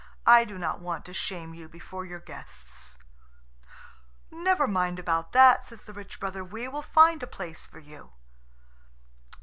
I do not want to shame you before your guests." "Never mind about that," says the rich brother; "we will find a place for you."